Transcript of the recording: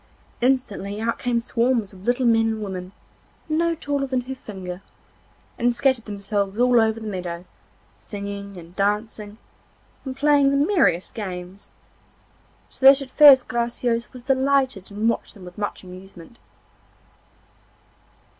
Instantly out came swarms of little men and women, no taller than her finger, and scattered themselves all over the meadow, singing and dancing, and playing the merriest games, so that at first Graciosa was delighted and watched them with much amusement.